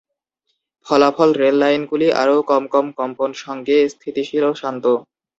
ফলাফল রেল লাইনগুলি আরও কম কম কম্পন সঙ্গে স্থিতিশীল ও শান্ত।